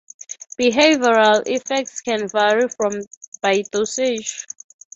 Behavioral effects can vary by dosage.